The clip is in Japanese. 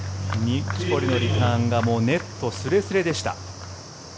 錦織のリターンがネットすれすれでした。